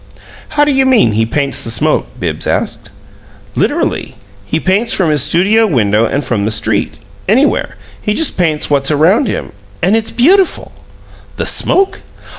"How do you mean he paints the smoke?" Bibbs asked. "Literally. He paints from his studio window and from the street anywhere. He just paints what's around him and it's beautiful." "The smoke?"